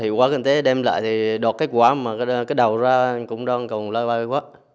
hiệu quả kinh tế đem lại thì đột kết quả mà cái đầu ra cũng đang còn loay loay quá